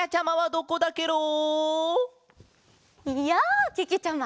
やあけけちゃま！